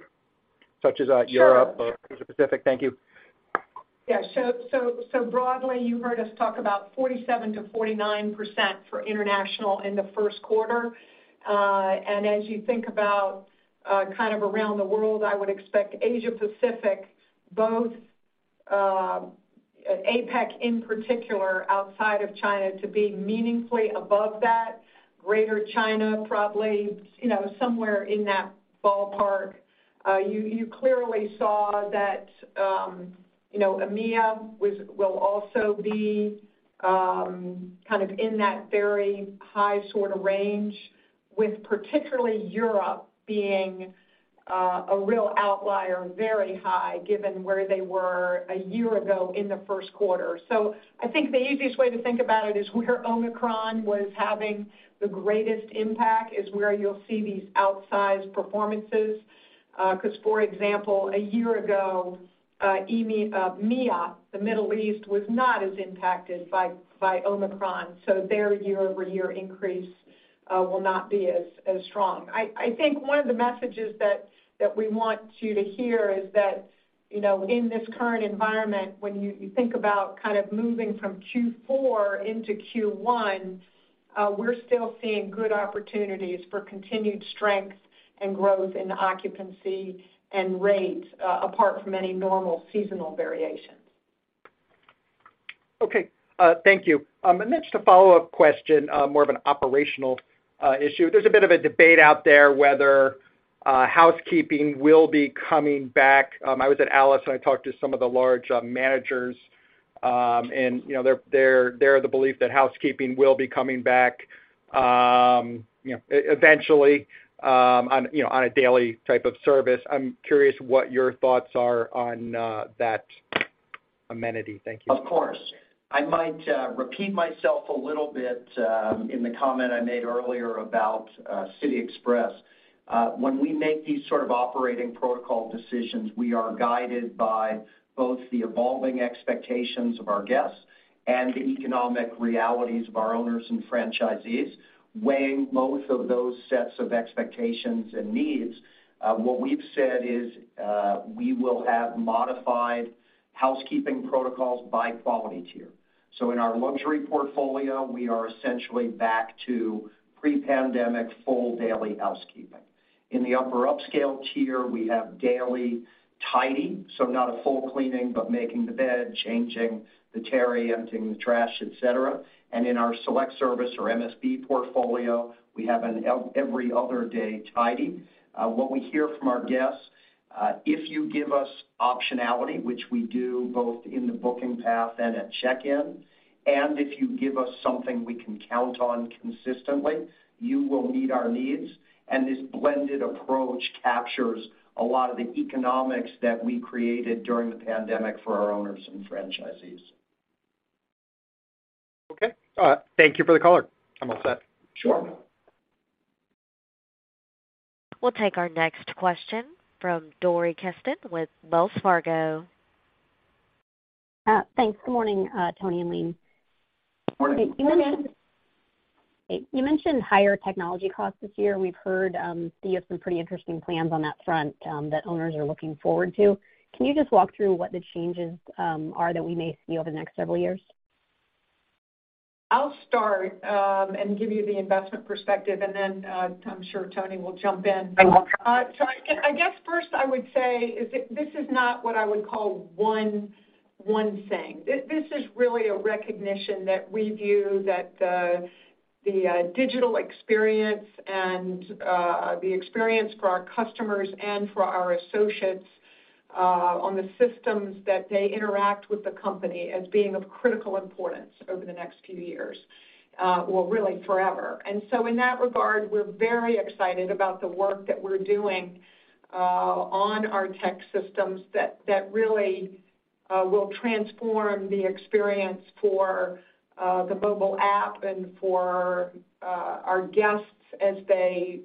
such as. Sure. Europe or Pacific? Thank you. Broadly, you heard us talk about 47%-49% for international in the first quarter. As you think about, kind of around the world, I would expect Asia-Pacific both, APAC in particular outside of China to be meaningfully above that. Greater China, probably, you know, somewhere in that ballpark. You clearly saw that, you know, EMEA will also be, kind of in that very high sort of range, with particularly Europe being a real outlier, very high given where they were a year ago in the first quarter. I think the easiest way to think about it is where Omicron was having the greatest impact is where you'll see these outsized performances. Because for example, a year ago, MEA, the Middle East, was not as impacted by Omicron, so their year-over-year increase will not be as strong. I think one of the messages that we want you to hear is that, you know, in this current environment, when you think about kind of moving from Q4 into Q1, we're still seeing good opportunities for continued strength and growth in occupancy and rates, apart from any normal seasonal variations. Okay, thank you. Just a follow-up question, more of an operational issue. There's a bit of a debate out there whether housekeeping will be coming back. I was at ALIS, and I talked to some of the large managers, and, you know, they're of the belief that housekeeping will be coming back, eventually, on, you know, on a daily type of service. I'm curious what your thoughts are on that amenity. Thank you. Of course. I might repeat myself a little bit in the comment I made earlier about City Express. When we make these sort of operating protocol decisions, we are guided by both the evolving expectations of our guests and the economic realities of our owners and franchisees. Weighing both of those sets of expectations and needs, what we've said is, we will have modified housekeeping protocols by quality tier. In our luxury portfolio, we are essentially back to pre-pandemic full daily housekeeping. In the upper upscale tier, we have daily tidy, so not a full cleaning, but making the bed, changing the terry, emptying the trash, et cetera. In our select service or MSB portfolio, we have an every other day tidy. What we hear from our guests, if you give us optionality, which we do both in the booking path and at check-in, and if you give us something we can count on consistently, you will meet our needs. This blended approach captures a lot of the economics that we created during the pandemic for our owners and franchisees. Okay. Thank you for the color. I'm all set. Sure. We'll take our next question from Dori Kesten with Wells Fargo. Thanks. Good morning, Tony and Leen. Morning. You mentioned higher technology costs this year. We've heard that you have some pretty interesting plans on that front that owners are looking forward to. Can you just walk through what the changes are that we may see over the next several years? I'll start, and give you the investment perspective, and then, I'm sure Tony will jump in. I guess first I would say this is not what I would call one thing. This is really a recognition that we view that the digital experience and the experience for our customers and for our associates, on the systems that they interact with the company as being of critical importance over the next few years, well, really forever. In that regard, we're very excited about the work that we're doing, on our tech systems that really will transform the experience for the mobile app and for our guests as they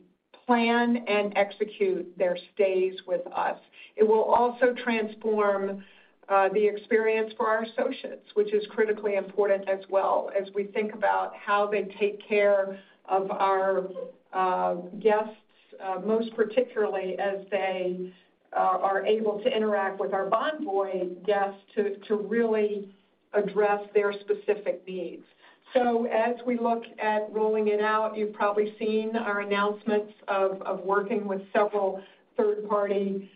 plan and execute their stays with us. It will also transform the experience for our associates, which is critically important as well as we think about how they take care of our guests, most particularly as they are able to interact with our Bonvoy guests to really address their specific needs. As we look at rolling it out, you've probably seen our announcements of working with several third-party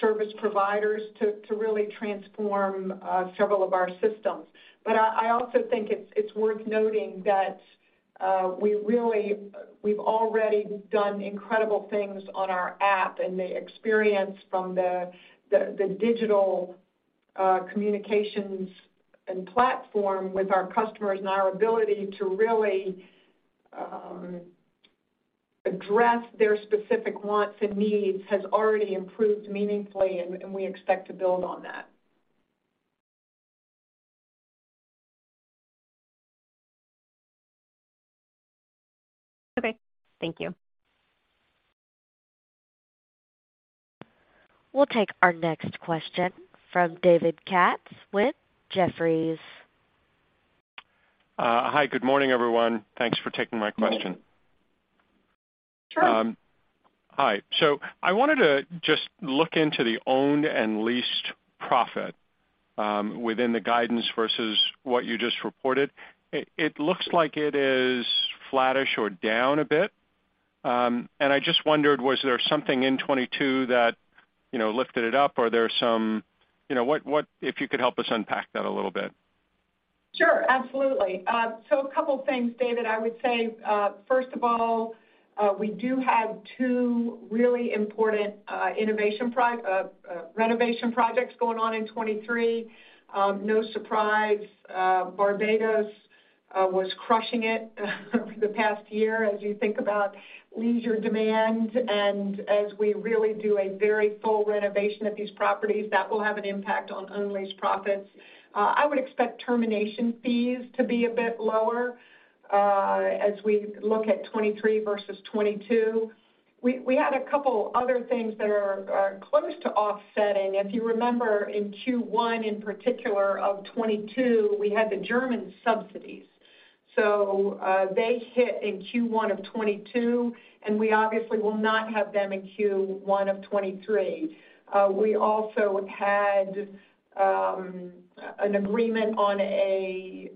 service providers to really transform several of our systems. I also think it's worth noting that. We've already done incredible things on our app, and the experience from the digital communications and platform with our customers and our ability to really address their specific wants and needs has already improved meaningfully, and we expect to build on that. Okay. Thank you. We'll take our next question from David Katz with Jefferies. Hi. Good morning, everyone. Thanks for taking my question. Sure. Hi. I wanted to just look into the owned and leased profit within the guidance versus what you just reported. It looks like it is flattish or down a bit. I just wondered, was there something in 22 that, you know, lifted it up, or are there some... You know, what, if you could help us unpack that a little bit. Sure, absolutely. A couple things, David. I would say, first of all, we do have two really important renovation projects going on in 2023. No surprise, Barbados was crushing it over the past year as you think about leisure demand, and as we really do a very full renovation of these properties, that will have an impact on owned lease profits. I would expect termination fees to be a bit lower as we look at 2023 versus 2022. We had a couple other things that are close to offsetting. If you remember in Q1, in particular of 2022, we had the German subsidies. They hit in Q1 of 2022, and we obviously will not have them in Q1 of 2023. We also had an agreement on a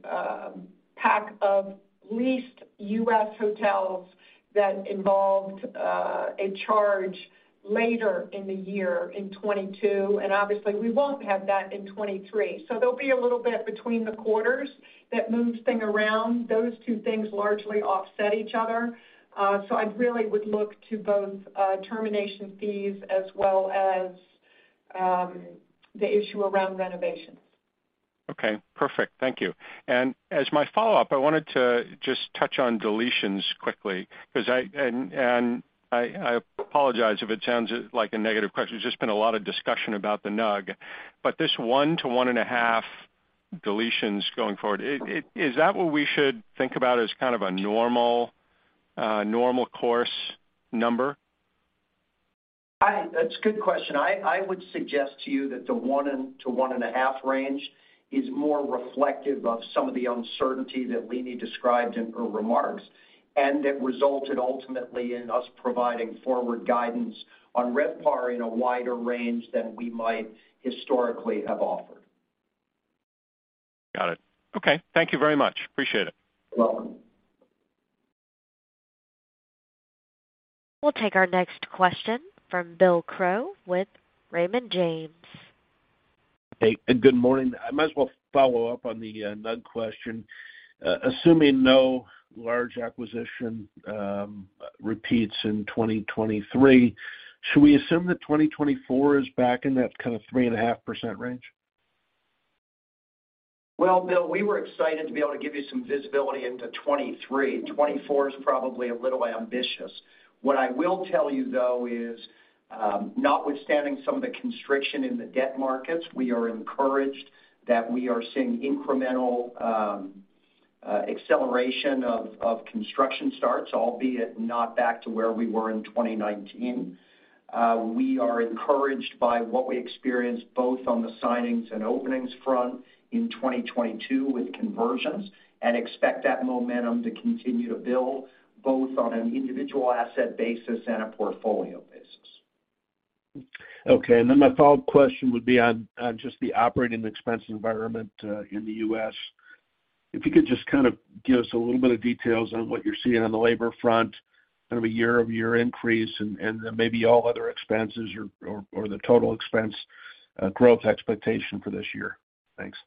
pack of leased U.S. hotels that involved a charge later in the year in 2022, and obviously, we won't have that in 2023. There'll be a little bit between the quarters that moves things around. Those two things largely offset each other. I really would look to both termination fees as well as the issue around renovations. Okay. Perfect. Thank you. As my follow-up, I wanted to just touch on deletions quickly because I and I apologize if it sounds like a negative question. There's just been a lot of discussion about the NUG. This 1 to 1.5 deletions going forward, is that what we should think about as kind of a normal normal course number? That's a good question. I would suggest to you that the 1 and to 1.5 range is more reflective of some of the uncertainty that Leeny described in her remarks, and it resulted ultimately in us providing forward guidance on RevPAR in a wider range than we might historically have offered. Got it. Okay. Thank you very much. Appreciate it. You're welcome. We'll take our next question from Bill Crow with Raymond James. Hey, good morning. I might as well follow up on the NUG question. Assuming no large acquisition repeats in 2023, should we assume that 2024 is back in that kind of 3.5% range? Well, Bill, we were excited to be able to give you some visibility into 23. 24 is probably a little ambitious. What I will tell you, though, is, notwithstanding some of the constriction in the debt markets, we are encouraged that we are seeing incremental acceleration of construction starts, albeit not back to where we were in 2019. We are encouraged by what we experienced both on the signings and openings front in 2022 with conversions and expect that momentum to continue to build both on an individual asset basis and a portfolio basis. Okay. My follow-up question would be on just the operating expense environment in the U.S. If you could just kind of give us a little bit of details on what you're seeing on the labor front, kind of a year-over-year increase and maybe all other expenses or the total expense growth expectation for this year. Thanks.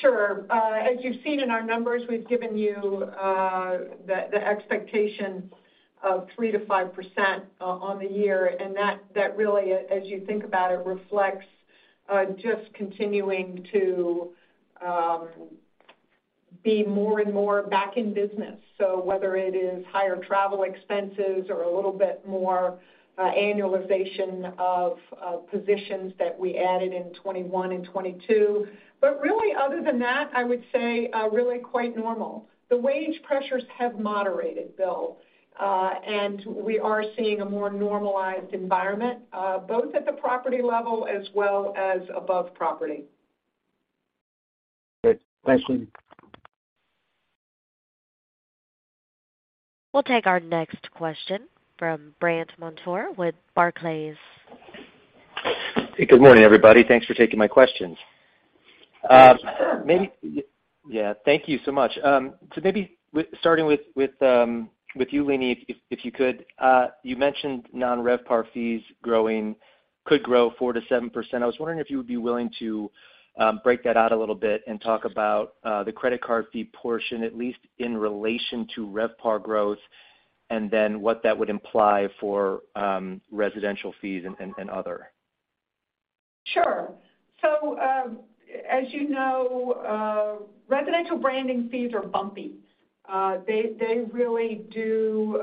Sure. as you've seen in our numbers, we've given you, the expectation of 3%-5% on the year. That really, as you think about it, reflects, just continuing to, be more and more back in business. So whether it is higher travel expenses or a little bit more, annualization of, positions that we added in 2021 and 2022. Really, other than that, I would say, really quite normal. The wage pressures have moderated, Bill, and we are seeing a more normalized environment, both at the property level as well as above property. Great. Thanks, Leeny. We'll take our next question from Brandt Montour with Barclays. Hey, good morning, everybody. Thanks for taking my questions. Thanks for having me. Yeah. Thank you so much. So maybe starting with you, Leenie, if you could, you mentioned non-RevPAR fees could grow 4%-7%. I was wondering if you would be willing to break that out a little bit and talk about the credit card fee portion, at least in relation to RevPAR growth. What that would imply for residential fees and other. Sure. As you know, residential branding fees are bumpy. They really do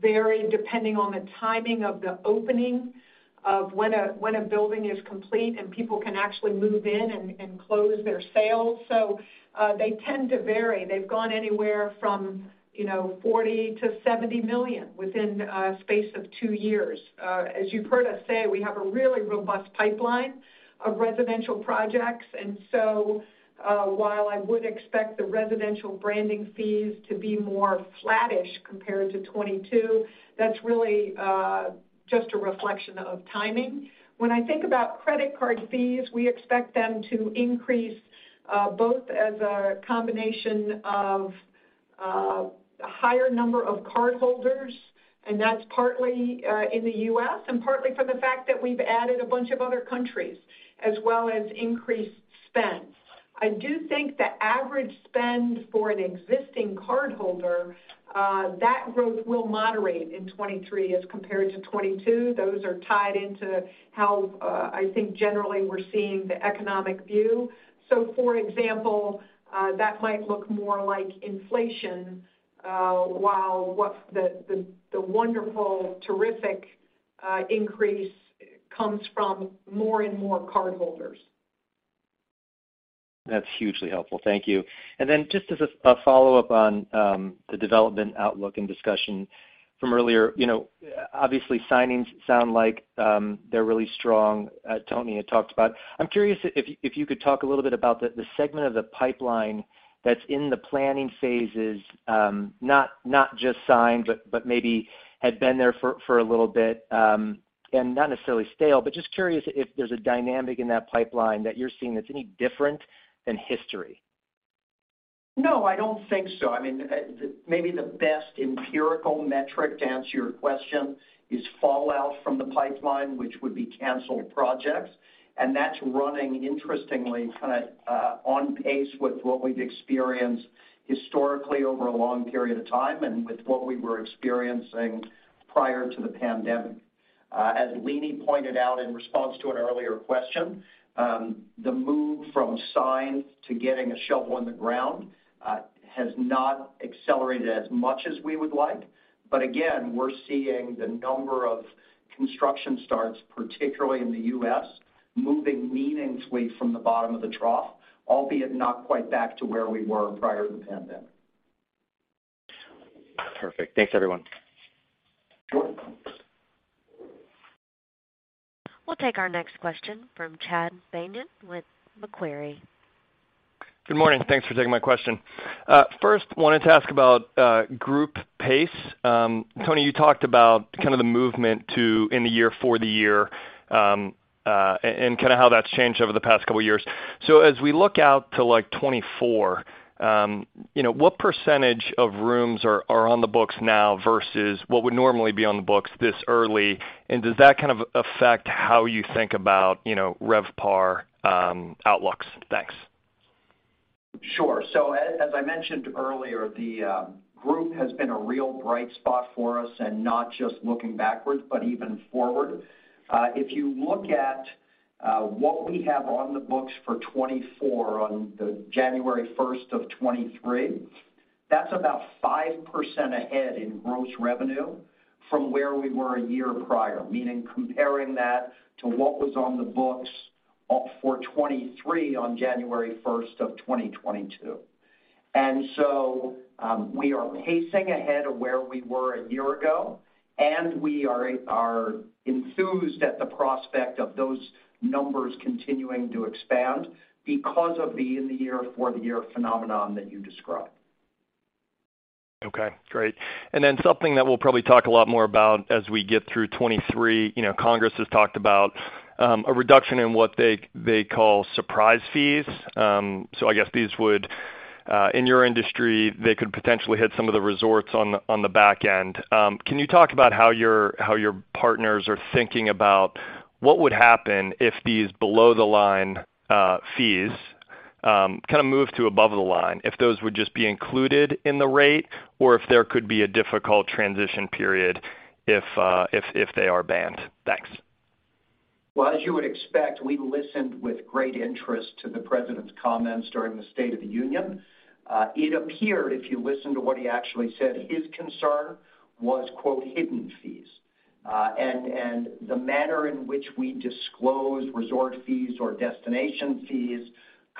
vary depending on the timing of the opening of when a building is complete, and people can actually move in and close their sales. They tend to vary. They've gone anywhere from, you know, $40 million-$70 million within a space of 2 years. As you've heard us say, we have a really robust pipeline of residential projects. While I would expect the residential branding fees to be more flattish compared to 2022, that's really just a reflection of timing. When I think about credit card fees, we expect them to increase, both as a combination of a higher number of cardholders, and that's partly in the U.S. and partly from the fact that we've added a bunch of other countries, as well as increased spend. I do think the average spend for an existing cardholder, that growth will moderate in 23 as compared to 22. Those are tied into how I think generally we're seeing the economic view. So for example, that might look more like inflation, while what the wonderful, terrific increase comes from more and more cardholders. That's hugely helpful. Thank you. Just as a follow-up on the development outlook and discussion from earlier, you know, obviously signings sound like they're really strong, Tony had talked about. I'm curious if you could talk a little bit about the segment of the pipeline that's in the planning phases, not just signed, but maybe had been there for a little bit, and not necessarily stale. Just curious if there's a dynamic in that pipeline that you're seeing that's any different than history. No, I don't think so. I mean, maybe the best empirical metric to answer your question is fallout from the pipeline, which would be canceled projects. That's running interestingly, kinda, on pace with what we've experienced historically over a long period of time and with what we were experiencing prior to the pandemic. As Leenie pointed out in response to an earlier question, the move from signed to getting a shovel in the ground, has not accelerated as much as we would like. Again, we're seeing the number of construction starts, particularly in the U.S., moving meaningfully from the bottom of the trough, albeit not quite back to where we were prior to the pandemic. Perfect. Thanks, everyone. Sure. We'll take our next question from Chad Beynon with Macquarie. Good morning. Thanks for taking my question. First, wanted to ask about group pace. Tony, you talked about kind of the movement to in the year for the year, and kind of how that's changed over the past couple of years. As we look out to like 2024, you know, what percentage of rooms are on the books now versus what would normally be on the books this early? Does that kind of affect how you think about, you know, RevPAR outlooks? Thanks. Sure. As I mentioned earlier, the group has been a real bright spot for us and not just looking backwards, but even forward. If you look at what we have on the books for 2024 on the January 1st of 2023, that's about 5% ahead in gross revenue from where we were a year prior, meaning comparing that to what was on the books for 2023 on January 1st of 2022. We are pacing ahead of where we were a year ago, and we are enthused at the prospect of those numbers continuing to expand because of the in the year for the year phenomenon that you described. Okay, great. Something that we'll probably talk a lot more about as we get through 2023, you know, Congress has talked about a reduction in what they call surprise fees. I guess these would in your industry, they could potentially hit some of the resorts on the back end. Can you talk about how your partners are thinking about what would happen if these below the line fees kinda move to above the line, if those would just be included in the rate, or if there could be a difficult transition period if they are banned? Thanks. Well, as you would expect, we listened with great interest to the president's comments during the State of the Union. It appeared, if you listen to what he actually said, his concern was, quote, hidden fees. The manner in which we disclose resort fees or destination fees,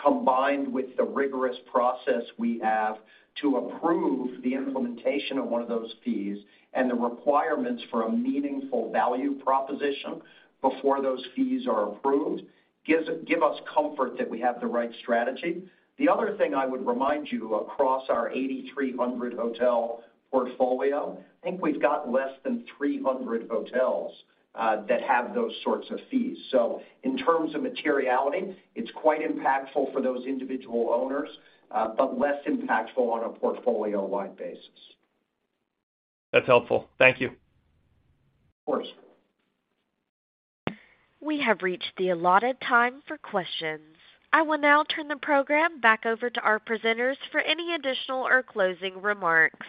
combined with the rigorous process we have to approve the implementation of one of those fees and the requirements for a meaningful value proposition before those fees are approved, give us comfort that we have the right strategy. The other thing I would remind you, across our 8,300 hotel portfolio, I think we've got less than 300 hotels that have those sorts of fees. In terms of materiality, it's quite impactful for those individual owners, but less impactful on a portfolio-wide basis. That's helpful. Thank you. Of course. We have reached the allotted time for questions. I will now turn the program back over to our presenters for any additional or closing remarks.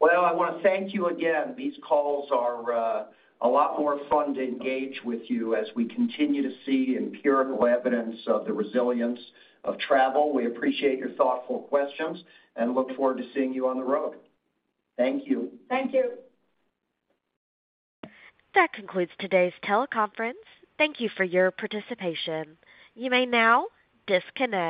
Well, I wanna thank you again. These calls are a lot more fun to engage with you as we continue to see empirical evidence of the resilience of travel. We appreciate your thoughtful questions and look forward to seeing you on the road. Thank you. Thank you. That concludes today's teleconference. Thank you for your participation. You may now disconnect.